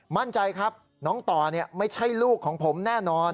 มั่นใจครับน้องต่อไม่ใช่ลูกของผมแน่นอน